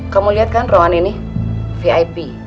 kamu lihat kan rohani ini vip